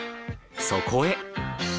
そこへ。